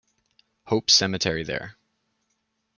Hope Cemetery there.